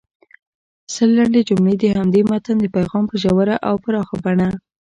سل لنډې جملې د همدې متن د پیغام په ژوره او پراخه بڼه